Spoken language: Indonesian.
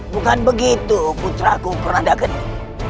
bukan begitu putra kukuranda geni